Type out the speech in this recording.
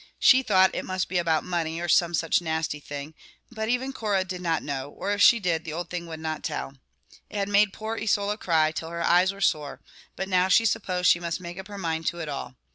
She thought it must be about money, or some such nasty thing; but even Cora did not know, or if she did, the old thing would not tell. It had made poor Isola cry till her eyes were sore, but now she supposed she must make up her mind to it all.